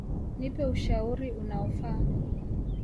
Nipe ushauri unaofa.